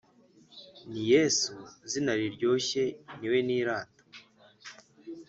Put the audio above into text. Ni Yesu zina riryoshye niwe nirata